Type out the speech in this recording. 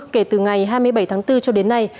kể từ ngày hai mươi bảy tháng bốn cho đến nay